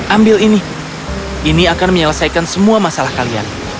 ambil ini ini akan menyelesaikan semua masalah kalian